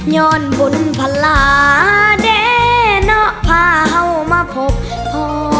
ย้อนบุญพลาเด้เนาะพาเห่ามาพบพ่อ